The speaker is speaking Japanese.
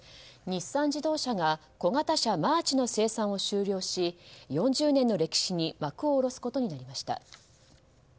日産自動車が小型車マーチの生産を終了し４０年の歴史に幕を下ろすことになりました。